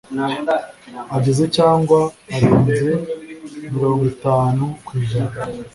ageze cyangwa arenze mirongo itanu ku ijana